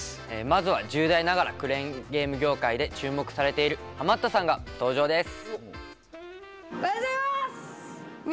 まずは、１０代ながらクレーンゲーム業界で注目されているハマったさんが登場です。